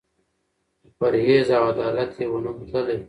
په پرهېز او عدالت یې وو نوم تللی